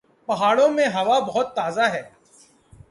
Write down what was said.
پہاڑوں میں ہوا بہت تازہ ہے۔